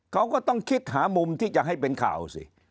เขาก็ต้องคิดหามุมที่จะให้เป็นข่าวสิ